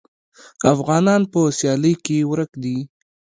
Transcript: افغانان په سیالۍ کې ورک دي.